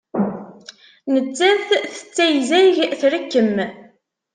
Nettat tettayzag, trekkem.